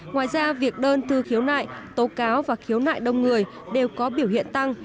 ngoài ra việc đơn thư khiếu nại tố cáo và khiếu nại đông người đều có biểu hiện tăng